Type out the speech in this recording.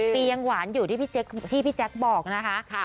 ปียังหวานอยู่ที่พี่แจ๊คบอกนะคะ